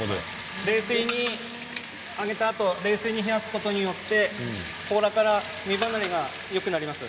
揚げたあと冷水で冷やすことによって甲羅から身離れがよくなります。